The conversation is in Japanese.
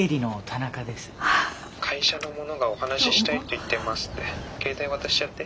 「会社の者がお話ししたいって言ってます」って携帯渡しちゃって。